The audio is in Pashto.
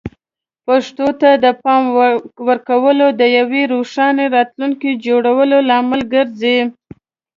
پښتو ته د پام ورکول د یوې روښانه راتلونکې جوړولو لامل ګرځي.